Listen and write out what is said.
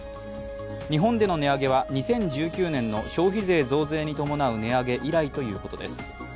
日本での値上げは２０１９年の消費税増税に伴う値上げ以来ということです。